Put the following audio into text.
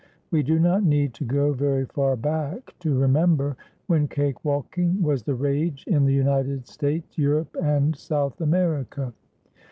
We do not need to go very far back to remember when cakewalking was the rage in the United States, Europe and South America.